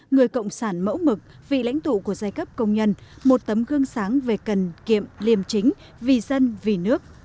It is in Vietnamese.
người cộng sản mẫu mực vị lãnh tụ của giai cấp công nhân một tấm gương sáng về cần kiệm liêm chính vì dân vì nước